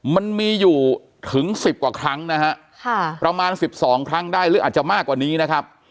มันมีอยู่ถึง๑๐กว่าครั้งนะฮะประมาณ๑๒ครั้งได้หรืออาจจะมากกว่านี้นะครับ